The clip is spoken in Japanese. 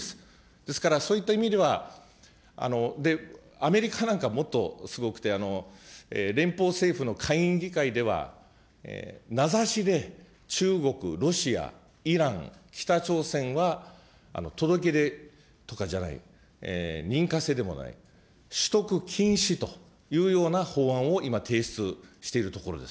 ですから、そういった意味では、アメリカなんかもっとすごくて、連邦政府の下院議会では、名指しで中国、ロシア、イラン、北朝鮮は届け出とかじゃない、認可制でもない、取得禁止というような法案を今、提出しているところです。